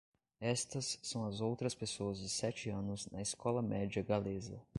Estas são as outras pessoas de sete anos na escola média-galesa.